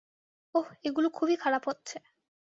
ওহ, এগুলো খুবই খারাপ হচ্ছে।